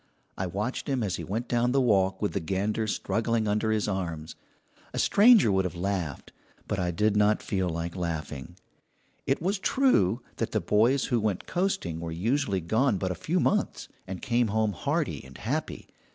I watched him as he went down the walk with the gander struggling under his arms. A stranger would have laughed, but I did not feel like laughing; it was true that the boys who went coasting were usually gone but a few months, and came home hardy and happy.